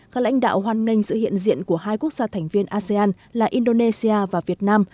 các lãnh đạo hoan nghênh sự hiện diện của hai quốc gia thành viên asean là indonesia và việt nam